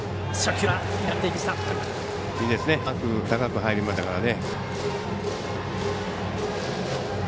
甘く高く入りましたからね。